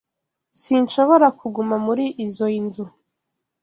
Sinshobora kuguma muri izoi nzu.